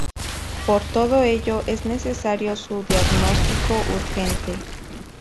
Por todo ello, es necesario su diagnóstico urgente.